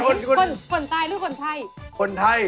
คนไตหรือคนไท